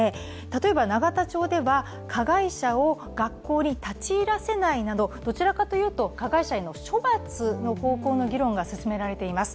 例えば永田町では、加害者を学校に立ち入らせないなどどちらかというと、加害者への処罰の方向の議論が進められています。